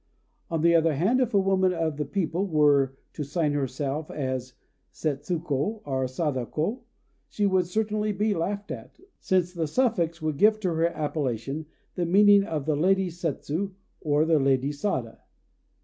On the other hand, if a woman of the people were to sign herself as Setsuko or Sadako, she would certainly be laughed at, since the suffix would give to her appellation the meaning of "the Lady Setsu," or "the Lady Sada."